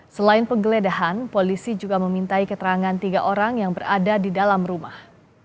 selain penggeledahan polisi juga memintai keterangan tiga orang yang berada di dalam rumah